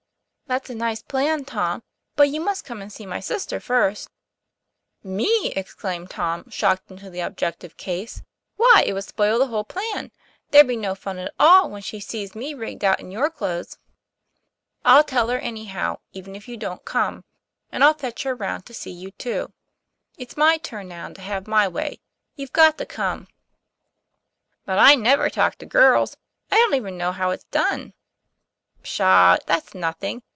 'That's a nice plan, Tom; but you must come and see my sister first." 148 TOM PLA YFAIR. " Me! " exclaimed Tom, shocked into the objective case. "Why it would spoil the whole plan. There'd be no fun at all, when she'd see me rigged out in your clothes." "I'll tell her anyhow, even if you don't come., and I'll fetch her round to see you, too. It's my turn now to have my way. You've got to come." "But I never talk to girls. I don't even know how it's done." "Pshaw! that's nothing.